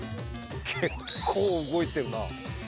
結構動いてるな。